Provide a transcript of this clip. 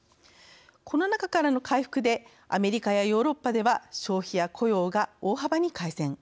コロナ禍からの回復でアメリカやヨーロッパでは消費や雇用が大幅に改善。